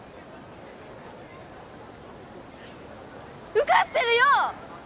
受かってるよ！